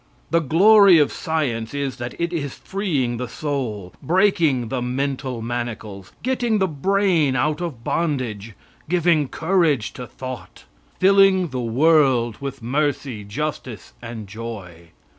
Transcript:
The glory of science is that it is freeing the soul breaking the mental manacles getting the brain out of bondage giving courage to thought filling the world with mercy, justice and joy.